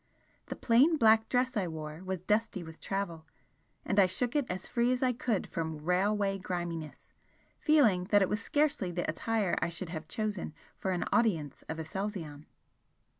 The plain black dress I wore was dusty with travel and I shook it as free as I could from railway grimness, feeling that it was scarcely the attire I should have chosen for an audience of Aselzion.